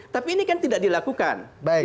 tapi ini kan tidak dilakukan